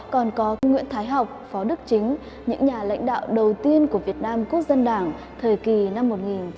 còn có nguyễn thái học phó đức chính những nhà lãnh đạo đầu tiên của việt nam quốc dân đảng thời kỳ năm một nghìn chín trăm bảy mươi